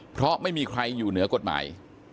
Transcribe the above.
เพราะไม่มีใครอยู่เหนือกฎหมาย